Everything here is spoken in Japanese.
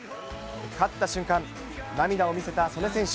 勝った瞬間、涙を見せた素根選手。